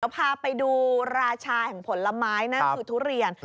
พาไปดูราชาแห่งผลไม้นั่นคือทุเรียน